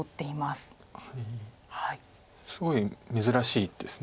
すごい珍しいです